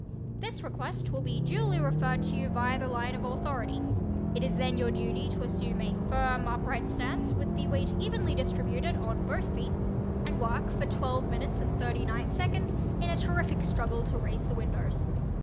This request will be duly referred to you via the line of authority. It is then your duty to assume a firm upright stance, with the weight evenly distributed on both feet, and work for twelve minutes and thirty nine seconds in a terrific struggle to raise the windows.